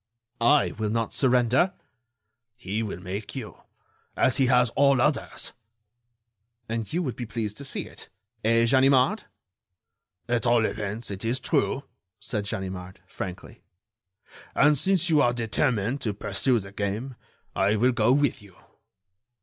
"I will not surrender." "He will make you, as he has all others." "And you would be pleased to see it—eh, Ganimard?" "At all events, it is true," said Ganimard, frankly. "And since you are determined to pursue the game, I will go with you."